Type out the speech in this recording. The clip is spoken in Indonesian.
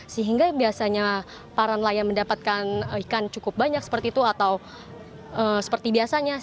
sehingga biasanya para nelayan mendapatkan ikan cukup banyak seperti itu atau seperti biasanya